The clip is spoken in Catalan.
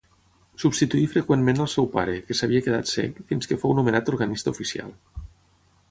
Substituí freqüentment al seu pare, que s'havia quedat cec, fins que fou nomenat organista oficial.